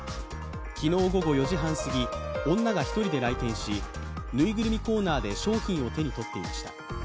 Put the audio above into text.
昨日午後４時半過ぎ、女が１人で来店し、ぬいぐるみコーナーで商品を手に取っていました。